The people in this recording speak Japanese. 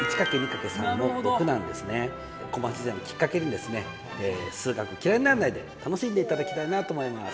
小町算をきっかけにですね数学嫌いになんないで楽しんでいただきたいなと思います。